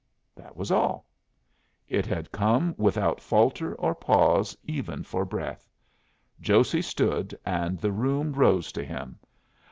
That was all. It had come without falter or pause, even for breath. Josey stood, and the room rose to him.